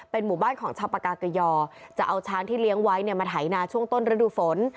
หมู่บ้านของชาวปากาเกยอจะเอาช้างที่เลี้ยงไว้เนี่ยมาไถนาช่วงต้นฤดูฝน